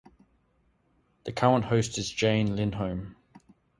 The current host is Jane Lindholm.